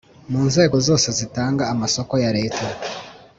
Mu nzego zose zitanga amasoko ya Leta